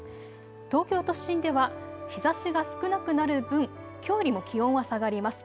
東京都心では日ざしが少なくなる分、きょうよりも気温は下がります。